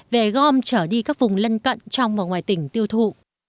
về gom trở đi các vùng lân cận trong và ngoài tỉnh tiêu thụ